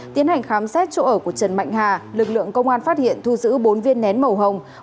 tiến hành khám xét chỗ ở của trần mạnh hà lực lượng công an phát hiện thu giữ bốn viên nén màu hồng